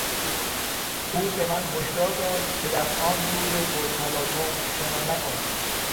او به من هشدار داد که در آن رود پر تلاطم شنا نکنم.